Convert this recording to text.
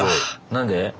何で？